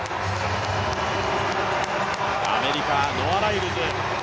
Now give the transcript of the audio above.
アメリカ、ノア・ライルズ。